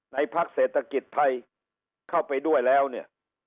พักเศรษฐกิจไทยเข้าไปด้วยแล้วเนี่ย